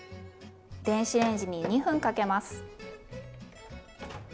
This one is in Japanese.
電子レンジに２分かけます。